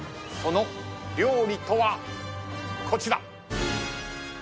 その料理とはこちら。